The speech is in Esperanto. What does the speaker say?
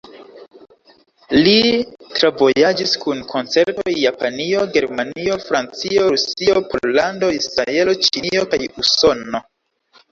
Li travojaĝis kun koncertoj Japanio, Germanio, Francio, Rusio, Pollando, Israelo, Ĉinio kaj Usono.